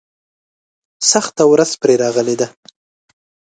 سخته ورځ پرې راغلې ده.